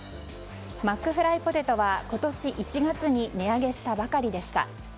マックフライポテトは今年１月に値上げしたばかりでした。